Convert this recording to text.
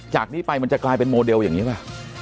จากนี้ไปมันจะกลายเป็นโมเดลอย่างนี้ป่ะ